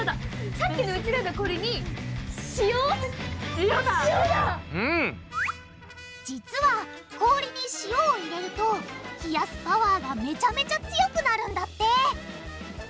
さっきのうちらの実は氷に塩を入れると冷やすパワーがめちゃめちゃ強くなるんだって！